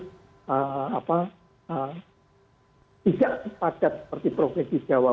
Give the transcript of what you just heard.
tidak sepadat seperti provinsi jawa